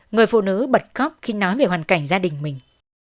người phụ nữ bật khóc khi nói về hoàn cảnh gia đình mình